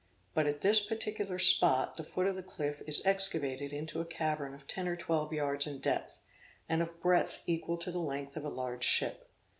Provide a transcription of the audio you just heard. But at this particular spot, the foot of the cliff is excavated into a cavern of ten or twelve yards in depth, and of breadth equal to the length of a large ship.